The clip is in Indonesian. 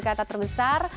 tiga kata terbesar